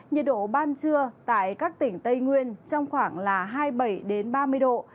nhiệt độ ban trưa tại các tỉnh tây nguyên trong khoảng hai mươi bảy đến ba mươi độ